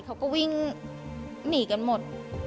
เขาก็วิ่งหนีกันหมด